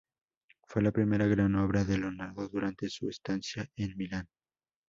Fue la primera gran obra de Leonardo durante su estancia en Milán.